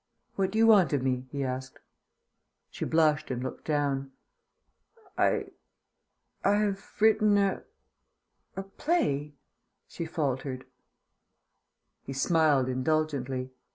"What do you want of me?" he asked. She blushed and looked down. "I I have written a a play," she faltered. He smiled indulgently.